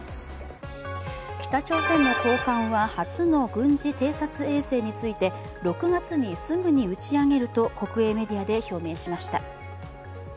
北朝鮮の高官は初の軍事偵察衛星について６月にすぐに打ち上げると国営メディアで表明しました。